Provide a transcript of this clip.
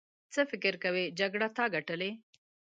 څه فکر کوې جګړه تا ګټلې.